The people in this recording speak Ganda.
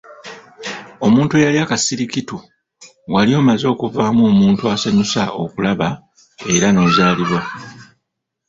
Omuntu eyali akasirikitu, wali omaze okuvaamu omuntu asanyusa okulaba era n'ozaalibwa.